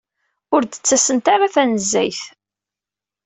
Ur d-ttasent ara tanezzayt.